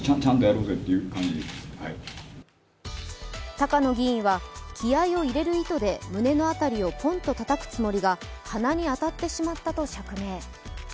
高野議員は、気合いを入れる意図で胸の辺りをポンとたたくつもりが鼻に当たってしまったと釈明。